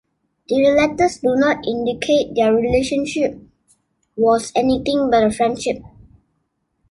Their letters do not indicate their relationship was anything but a friendship.